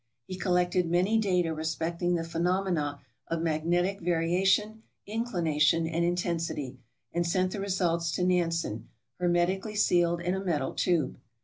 He collected many data respecting the phenomena of magnetic variation, inclination, and intensity, and sent the results to Nansen, hermetically sealed in a metal tube.